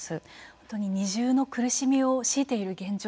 本当に二重の苦しみを強いている現状